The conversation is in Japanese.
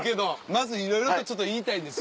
まずいろいろと言いたいんです。